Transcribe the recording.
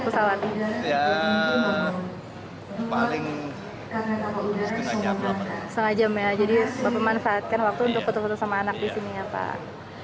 setengah jam ya jadi bapak memanfaatkan waktu untuk foto foto sama anak di sini ya pak